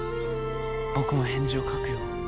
．僕も返事を書くよ。